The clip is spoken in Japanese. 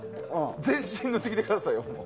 全身に塗ってくださいよ。